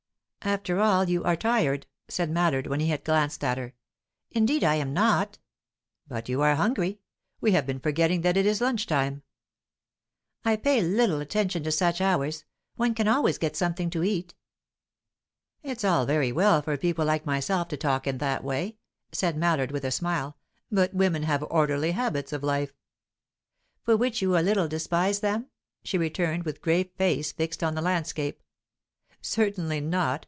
"After all, you are tired," said Mallard, when he had glanced at her. "Indeed I am not." "But you are hungry. We have been forgetting that it is luncheon time." "I pay little attention to such hours. One can always get something to eat." "It's all very well for people like myself to talk in that way," said Mallard, with a smile, "but women have orderly habits of life." "For which you a little despise them?" she returned, with grave face fixed on the landscape. "Certainly not.